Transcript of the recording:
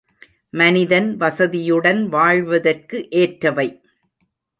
மனிதன் வசதியுடன் வாழ்வதற்கு ஏற்றவை.